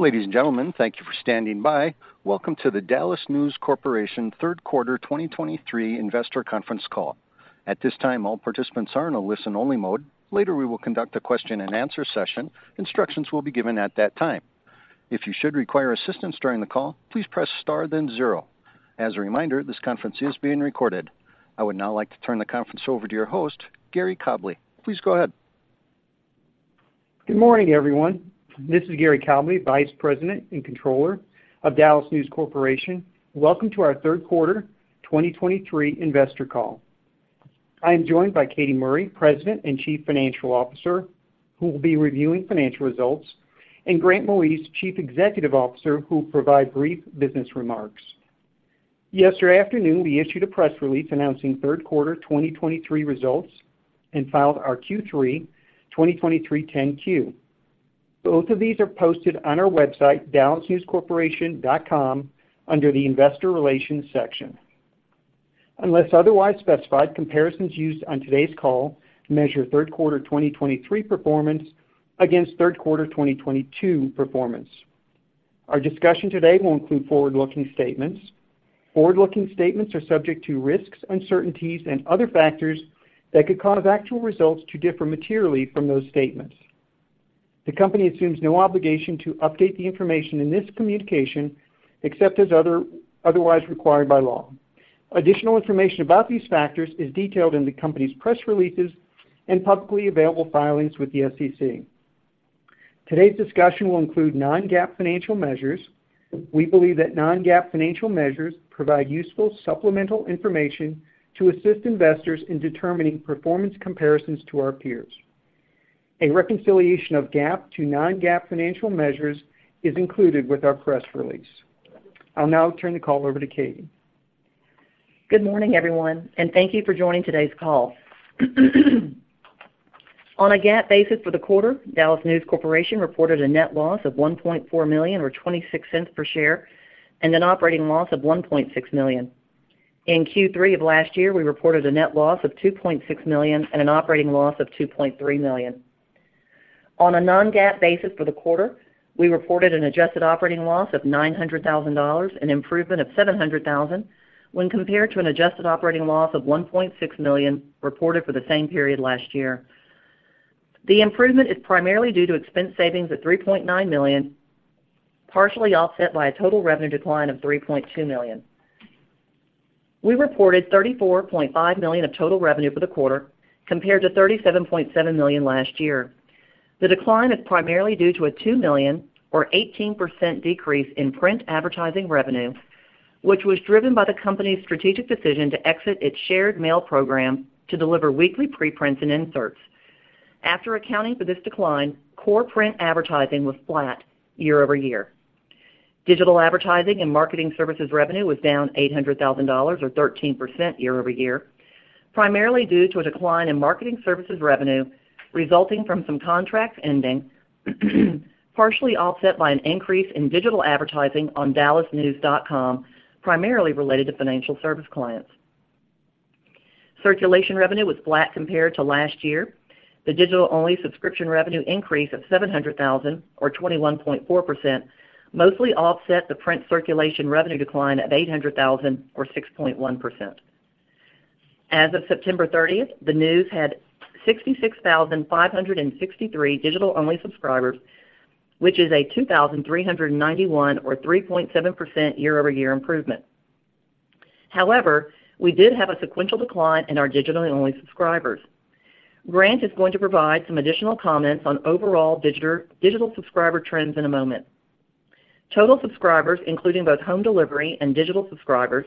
Ladies and gentlemen, thank you for standing by. Welcome to the DallasNews Corporation Q3 2023 Investor Conference Call. At this time, all participants are in a listen-only mode. Later, we will conduct a question-and-answer session. Instructions will be given at that time. If you should require assistance during the call, please press star then zero. As a reminder, this conference is being recorded. I would now like to turn the conference over to your host, Gary Cobleigh. Please go ahead. Good morning, everyone. This is Gary Cobleigh, Vice President and Controller of DallasNews Corporation. Welcome to our Q3 2023 investor call. I am joined by Katy Murray, President and Chief Financial Officer, who will be reviewing financial results, and Grant Moise, Chief Executive Officer, who will provide brief business remarks. Yesterday afternoon, we issued a press release announcing Q3 2023 results and filed our Q3 2023 10-Q. Both of these are posted on our website, dallasnewscorporation.com, under the Investor Relations section. Unless otherwise specified, comparisons used on today's call measure Q3 2023 performance against Q3 2022 performance. Our discussion today will include forward-looking statements. Forward-looking statements are subject to risks, uncertainties, and other factors that could cause actual results to differ materially from those statements. The company assumes no obligation to update the information in this communication, except as otherwise required by law. Additional information about these factors is detailed in the company's press releases and publicly available filings with the SEC. Today's discussion will include non-GAAP financial measures. We believe that non-GAAP financial measures provide useful supplemental information to assist investors in determining performance comparisons to our peers. A reconciliation of GAAP to non-GAAP financial measures is included with our press release. I'll now turn the call over to Katy. Good morning, everyone, and thank you for joining today's call. On a GAAP basis for the quarter, DallasNews Corporation reported a net loss of $1.4 million or $0.26 per share and an operating loss of $1.6 million. In Q3 of last year, we reported a net loss of $2.6 million and an operating loss of $2.3 million. On a non-GAAP basis for the quarter, we reported an adjusted operating loss of $900,000, an improvement of $700,000 when compared to an adjusted operating loss of $1.6 million reported for the same period last year. The improvement is primarily due to expense savings of $3.9 million, partially offset by a total revenue decline of $3.2 million. We reported $34.5 million of total revenue for the quarter, compared to $37.7 million last year. The decline is primarily due to a $2 million or 18% decrease in print advertising revenue, which was driven by the company's strategic decision to exit its shared mail program to deliver weekly preprints and inserts. After accounting for this decline, core print advertising was flat year-over-year. Digital advertising and marketing services revenue was down $800,000, or 13% year-over-year, primarily due to a decline in marketing services revenue resulting from some contracts ending, partially offset by an increase in digital advertising on dallasnews.com, primarily related to financial service clients. Circulation revenue was flat compared to last year. The digital-only subscription revenue increase of $700,000 or 21.4%, mostly offset the print circulation revenue decline of $800,000 or 6.1%. As of 30 September 2023, the News had 66,563 digital-only subscribers, which is a 2,391 or 3.7% year-over-year improvement. However, we did have a sequential decline in our digital-only subscribers. Grant is going to provide some additional comments on overall digital subscriber trends in a moment. Total subscribers, including both home delivery and digital subscribers,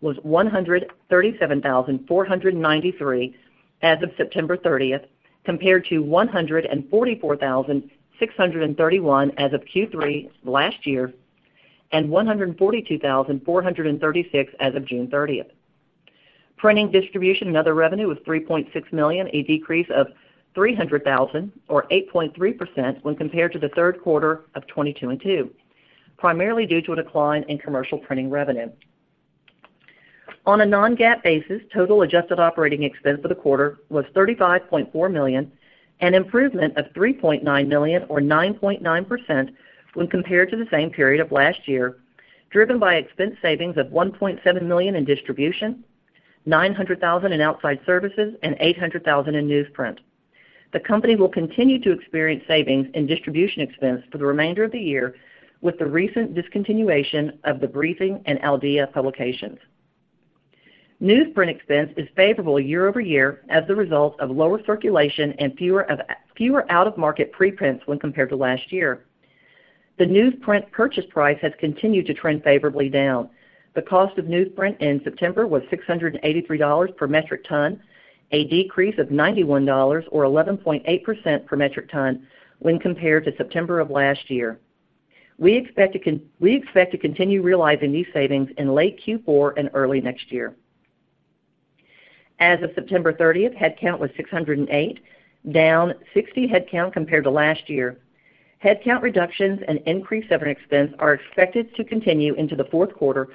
was 137,493 as of 30 September 2023, compared to 144,631 as of Q3 last year, and 142,436 as of 30 June 2023. Printing, distribution, and other revenue was $3.6 million, a decrease of $300,000 or 8.3% when compared to the Q3 of 2022, primarily due to a decline in commercial printing revenue. On a non-GAAP basis, total adjusted operating expense for the quarter was $35.4 million, an improvement of $3.9 million or 9.9% when compared to the same period of last year, driven by expense savings of $1.7 million in distribution, $900,000 in outside services, and $800,000 in newsprint. The company will continue to experience savings in distribution expense for the remainder of the year with the recent discontinuation of the Briefing and Al Día publications. Newsprint expense is favorable year-over-year as a result of lower circulation and fewer of, fewer out-of-market preprints when compared to last year. The newsprint purchase price has continued to trend favorably down. The cost of newsprint in September was $683 per metric ton, a decrease of $91 or 11.8% per metric ton when compared to September of last year. We expect to continue realizing these savings in late Q4 and early next year. As of 30 September 2023, headcount was 608, down 60 headcount compared to last year. Headcount reductions and increased severance expense are expected to continue into the Q4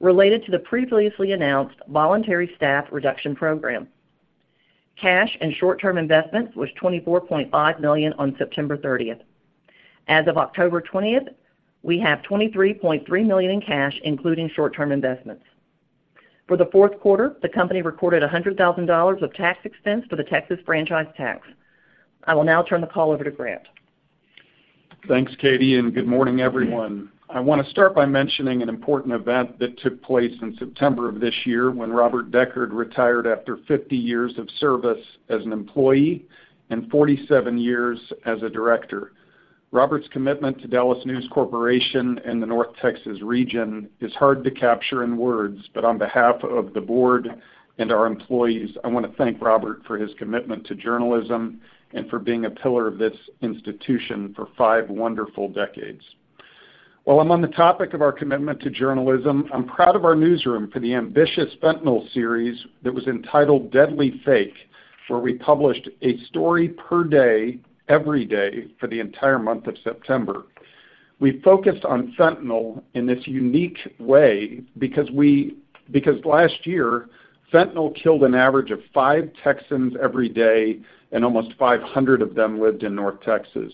related to the previously announced voluntary staff reduction program. Cash and short-term investments was $24.5 million on September thirtieth. As of 30 October 2023, we have $23.3 million in cash, including short-term investments. For the Q4, the company recorded $100,000 of tax expense for the Texas franchise tax. I will now turn the call over to Grant. Thanks, Katy, and good morning, everyone. I want to start by mentioning an important event that took place in September of this year when Robert Decherd retired after 50 years of service as an employee and 47 years as a director. Robert's commitment to DallasNews Corporation and the North Texas region is hard to capture in words, but on behalf of the board and our employees, I want to thank Robert for his commitment to journalism and for being a pillar of this institution for five wonderful decades. While I'm on the topic of our commitment to journalism, I'm proud of our newsroom for the ambitious fentanyl series that was entitled Deadly Fake, where we published a story per day, every day, for the entire month of September. We focused on fentanyl in this unique way because last year, fentanyl killed an average of five Texans every day, and almost 500 of them lived in North Texas.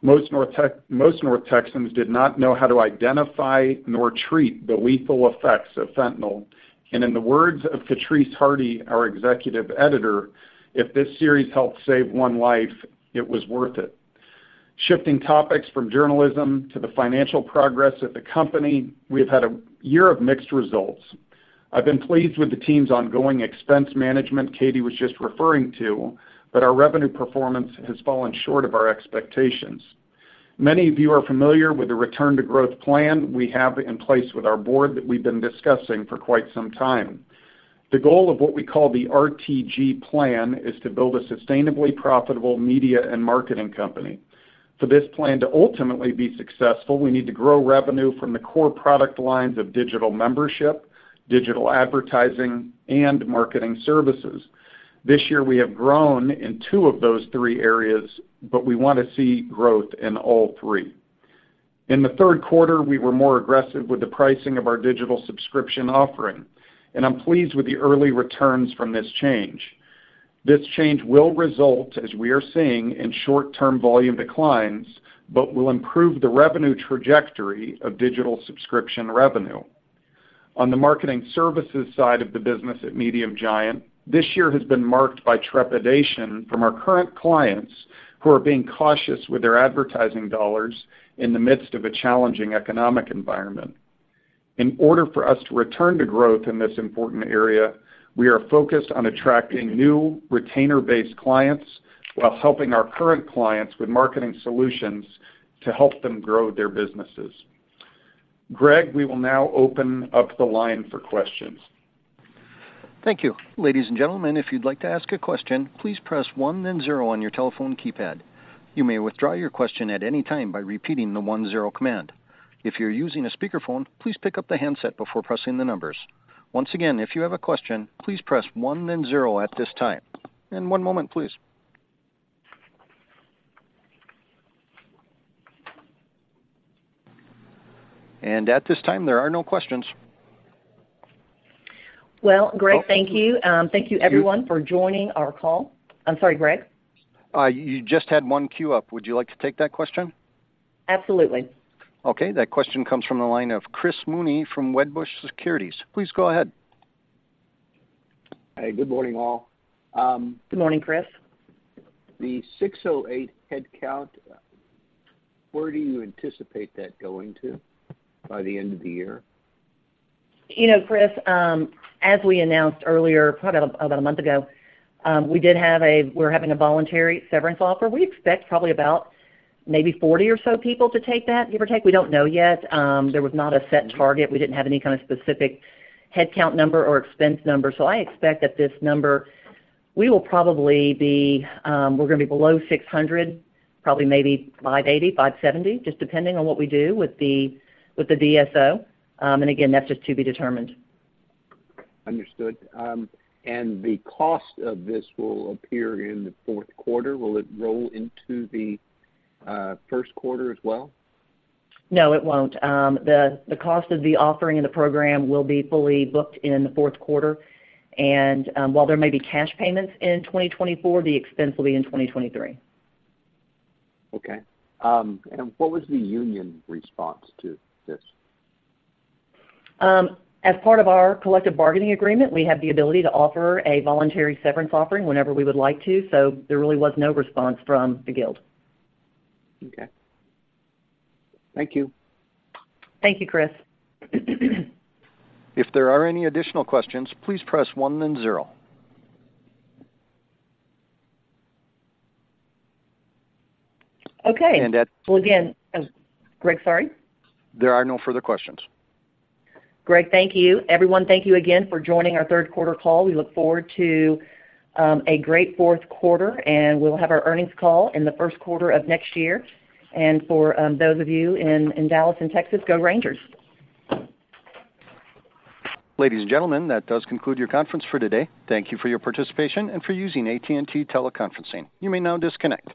Most North Texans did not know how to identify nor treat the lethal effects of fentanyl, and in the words of Katrice Hardy, our Executive Editor, "If this series helped save one life, it was worth it." Shifting topics from journalism to the financial progress of the company, we have had a year of mixed results. I've been pleased with the team's ongoing expense management Katy was just referring to, but our revenue performance has fallen short of our expectations. Many of you are familiar with the Return to Growth plan we have in place with our board that we've been discussing for quite some time. The goal of what we call the RTG plan is to build a sustainably profitable media and marketing company. For this plan to ultimately be successful, we need to grow revenue from the core product lines of digital membership, digital advertising, and marketing services. This year, we have grown in two of those three areas, but we want to see growth in all three. In the Q3, we were more aggressive with the pricing of our digital subscription offering, and I'm pleased with the early returns from this change. This change will result, as we are seeing, in short-term volume declines, but will improve the revenue trajectory of digital subscription revenue. On the marketing services side of the business at Medium Giant, this year has been marked by trepidation from our current clients, who are being cautious with their advertising dollars in the midst of a challenging economic environment. In order for us to return to growth in this important area, we are focused on attracting new retainer-based clients while helping our current clients with marketing solutions to help them grow their businesses. Greg, we will now open up the line for questions. Thank you. Ladies and gentlemen, if you'd like to ask a question, please press one then zero on your telephone keypad. You may withdraw your question at any time by repeating the one-zero command. If you're using a speakerphone, please pick up the handset before pressing the numbers. Once again, if you have a question, please press one, then zero at this time. One moment, please. At this time, there are no questions. Well, Greg, thank you. Thank you everyone for joining our call. I'm sorry, Greg? You just had one queue up. Would you like to take that question? Absolutely. Okay. That question comes from the line of Chris Mooney from Wedbush Securities. Please go ahead. Hey, good morning, all. Good morning, Chris. The 608 headcount, where do you anticipate that going to by the end of the year? You know, Chris, as we announced earlier, probably about a month ago, we're having a voluntary severance offer. We expect probably about maybe 40 or so people to take that, give or take. We don't know yet. There was not a set target. We didn't have any kind of specific headcount number or expense number. So I expect that this number, we will probably be, we're gonna be below 600, probably maybe 580, 570, just depending on what we do with the DSO. And again, that's just to be determined. Understood. The cost of this will appear in the Q4. Will it roll into the Q1 as well? No, it won't. The cost of the offering and the program will be fully booked in the Q4, and while there may be cash payments in 2024, the expense will be in 2023. Okay. And what was the union response to this? As part of our collective bargaining agreement, we have the ability to offer a voluntary severance offering whenever we would like to, so there really was no response from the Guild. Okay. Thank you. Thank you, Chris. If there are any additional questions, please press one then zero. Okay. And that- Well, again, Greg, sorry? There are no further questions. Greg, thank you. Everyone, thank you again for joining our Q3 call. We look forward to a great Q4, and we'll have our earnings call in the Q1 of next year. For those of you in Dallas and Texas, go Rangers! Ladies and gentlemen, that does conclude your conference for today. Thank you for your participation and for using AT&T teleconferencing. You may now disconnect.